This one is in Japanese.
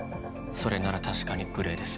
それなら確かにグレーです。